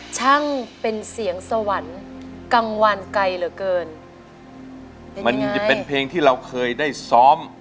ช่างเป็นเสียงสวรรค์กังวานไกลเหลือเกินมันเป็นเพลงที่เราเคยได้ซ้อม